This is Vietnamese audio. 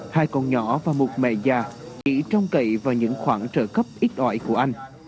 hai con nhỏ và một mẹ già chỉ trong cậy vào những khoảng trợ cấp ít ỏi của anh